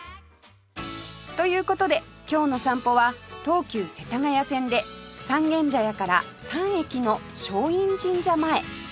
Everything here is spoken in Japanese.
という事で今日の散歩は東急世田谷線で三軒茶屋から３駅の松陰神社前